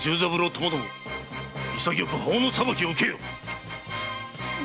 ともども潔く法の裁きを受けよ！